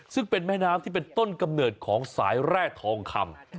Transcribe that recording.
ซึ่งเป็นแม่น้ำที่เป็นต้นกำเนิดของสายแร่ทองคำ